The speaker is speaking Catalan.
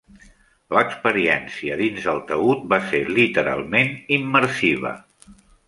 L'experiència dins el taüt va ser literalment immersiva.